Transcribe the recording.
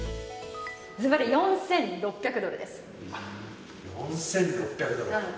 ずばり４６００ドルです。